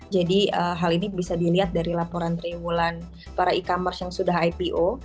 jadi hal ini bisa dilihat dari laporan terimulan para e commerce yang sudah ipo